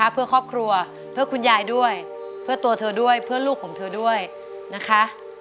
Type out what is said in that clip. เพื่อครอบครัวเพื่อคุณยายด้วยเพื่อตัวเธอด้วยเพื่อลูกของเธอด้วยนะคะ